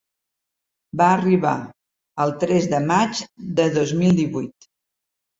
Va arribar el tres de maig de dos mil divuit.